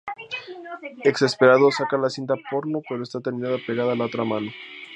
Exasperado, saca la cinta porno, pero esta termina pegada a la otra mano.